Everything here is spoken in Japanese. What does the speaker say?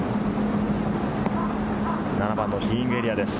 ７番のティーイングエリアです。